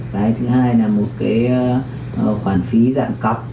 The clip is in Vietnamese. cái thứ hai là một cái khoản phí dạng cọc